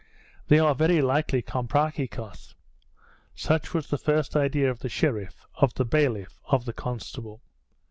"They are very likely Comprachicos." Such was the first idea of the sheriff, of the bailiff, of the constable.